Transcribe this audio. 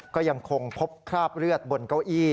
ก็ยังคงพบคราบเลือดบนเก้าอี้